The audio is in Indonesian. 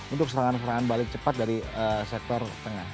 untuk serangan serangan balik cepat dari sektor tengah